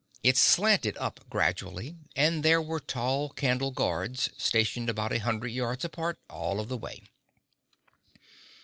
It slanted up gradually and there were tall candle guards stationed about a hundred yards apart all of the way.